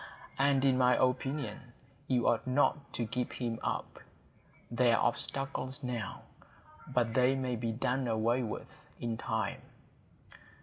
And in my opinion, you ought not to give him up. There are obstacles now; but they may be done away with in time."